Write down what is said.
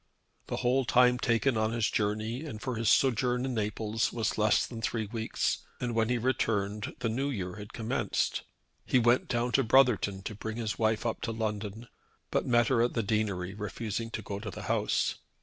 The whole time taken on his journey and for his sojourn in Naples was less than three weeks, and when he returned the New Year had commenced. He went down to Brotherton to bring his wife up to London, but met her at the deanery, refusing to go to the house.